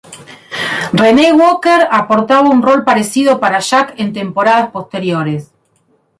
Renee Walker aportaba un rol parecido para Jack en temporadas posteriores.